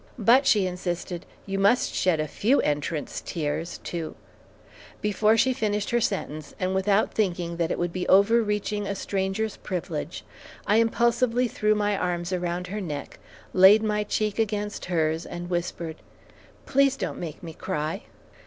"But," she insisted, "you must shed a few entrance tears to " Before she finished her sentence, and without thinking that it would be overreaching a stranger's privilege, I impulsively threw my arms around her neck, laid my cheek against hers, and whispered, "Please don't make me cry."